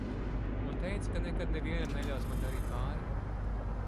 Un teica, ka nekad nevienam neļaus man darīt pāri.